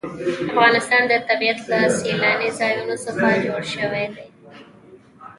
د افغانستان طبیعت له سیلانی ځایونه څخه جوړ شوی دی.